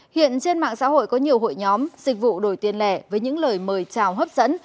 hiện trên mạng xã hội có nhiều hội nhóm dịch vụ đổi tiền lẻ với những lời mời chào hấp dẫn